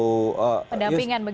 pendampingan begitu ya